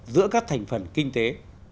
giữa các thành phần kinh tế